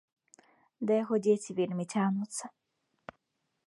Да яго дзеці вельмі цягнуцца.